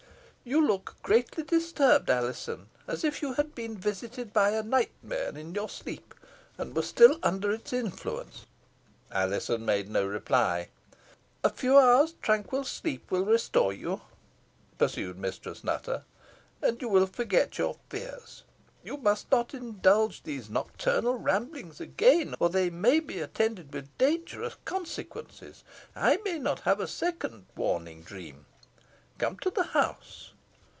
"You look greatly disturbed, Alizon, as if you had been visited by a nightmare in your sleep, and were still under its influence." Alizon made no reply. "A few hours' tranquil sleep will restore you," pursued Mistress Nutter, "and you will forget your fears. You must not indulge in these nocturnal rambles again, or they may be attended with dangerous consequences. I may not have a second warning dream. Come to the house."